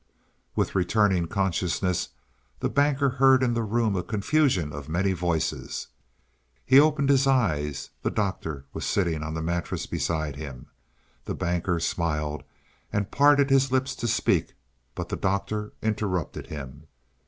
With returning consciousness the Banker heard in the room a confusion of many voices. He opened his eyes; the Doctor was sitting on the mattress beside him. The Banker smiled and parted his lips to speak, but the Doctor interrupted him.